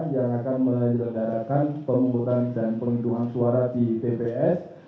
yang akan menyelenggarakan pemungkutan dan penghitungan suara di tps